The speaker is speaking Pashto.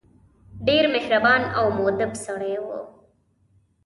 ډېر مهربان او موءدب سړی وو.